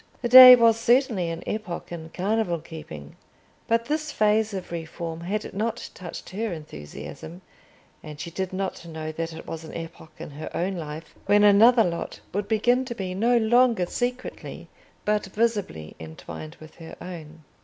The day was certainly an epoch in carnival keeping; but this phase of reform had not touched her enthusiasm: and she did not know that it was an epoch in her own life when another lot would begin to be no longer secretly but visibly entwined with her own.